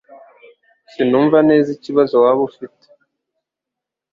Sinumva neza ikibazo waba ufite